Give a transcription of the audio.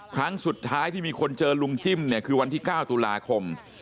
ครั้งสุดท้ายที่มีคนเจอลุงจิ้มเนี่ยคือวันที่๙ตุลาคม